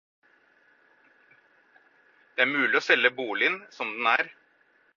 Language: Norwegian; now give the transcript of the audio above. Det er mulig å selge boligen som den er.